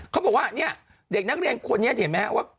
เขาบอกว่าเนี่ยเด็กนักเรียนคนนี้เห็นไหมครับว่า